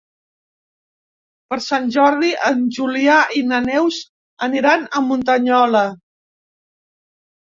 Per Sant Jordi en Julià i na Neus aniran a Muntanyola.